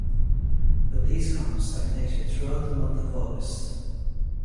But these columns stagnated throughout the month of August.